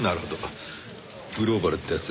グローバルってやつですね。